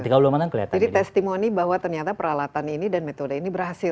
tiga bulan pertama kelihatan jadi testimoni bahwa ternyata peralatan ini dan metode ini berhasil